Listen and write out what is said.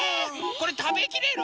これたべきれる？